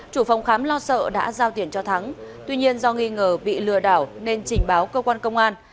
chủ phòng khám lo sợ đã giao tiền cho thắng tuy nhiên do nghi ngờ bị lừa đảo nên trình báo cơ quan công an